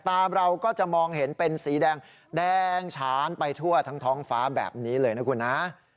ตาเราก็จะมองเห็นเป็นสีแดงแดงฉานไปทั่วทั้งท้องฟ้าแบบนี้เลยนะคุณนะ